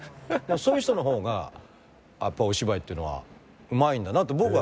そういう人の方がお芝居っていうのはうまいんだなと僕は。